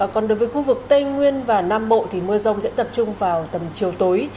còn đối với khu vực tây nguyên và nam bộ thì mưa rông sẽ tập trung vào tầm chiều tối